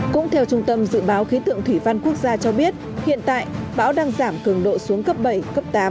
cũng theo trung tâm dự báo khí tượng thủy văn quốc gia cho biết hiện tại bão đang giảm cường độ xuống cấp bảy cấp tám